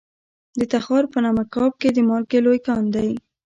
د تخار په نمک اب کې د مالګې لوی کان دی.